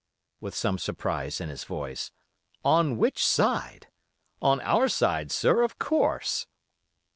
with some surprise in his voice. 'On which side?' 'On our side, sir, of course.